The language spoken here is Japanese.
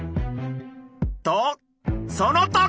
とその時！